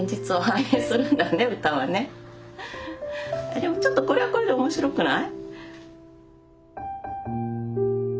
でもちょっとこれはこれで面白くない？